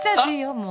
もう！